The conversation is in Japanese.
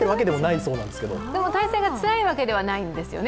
体勢がつらいわけではないんですよね。